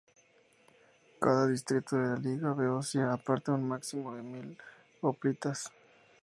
Cada distrito de la Liga beocia aportaba un máximo de mil hoplitas.